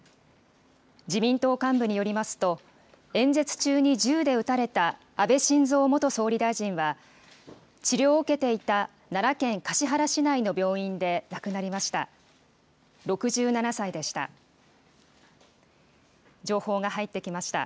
自民党幹部によりますと、演説中に銃で撃たれた安倍晋三元総理大臣は、治療を受けていた奈良県橿原市内の病院で亡くなりました。